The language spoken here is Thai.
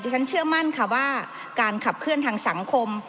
ฉันเชื่อมั่นค่ะว่าการขับเคลื่อนทางสังคม